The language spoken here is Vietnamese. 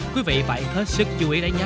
quý vị phải hết sức chú ý đấy nhé